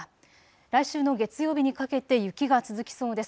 来週の月曜日にかけて雪が続きそうです。